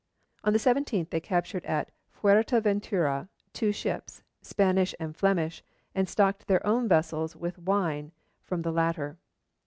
On the 17th they captured at Fuerteventura two ships, Spanish and Flemish, and stocked their own vessels with wine from the latter.